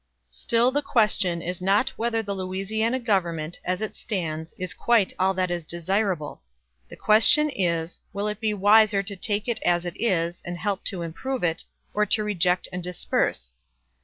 "Still the question is not whether the Louisiana Government, as it stands, is quite all that is desirable. The question is, Will it be wiser to take it as it is, and help to improve it, or to reject and disperse?...